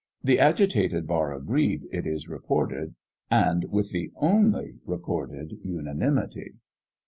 The agitated bar agreed, it is reported, and with the only recorded unanimity.